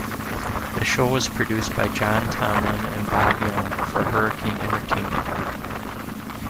The show was produced by John Tomlin and Bob Young for Hurricane Entertainment Group.